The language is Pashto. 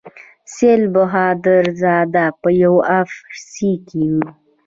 سیر بهادر زاده په یو اف سي کې و.